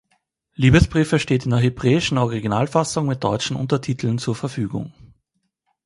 Liebesbriefe steht in der hebräischen Originalfassung mit deutschen Untertiteln zur Verfügung.